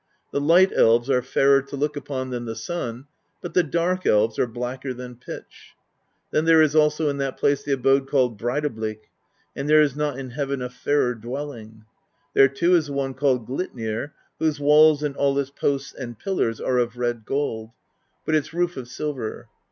The Light Elves are fairer to look upon than the sun, but the Dark Elves are blacker than pitch. Then there is also in that place the abode called Breidablik,"^ and there is not in heaven a fairer dwelling. There, too, is the one called Glitnir,^ whose walls, and all its posts and pillars, are of red gold, but its roof of silver.